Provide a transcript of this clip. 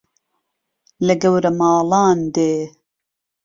لە گەورە ماڵان دێ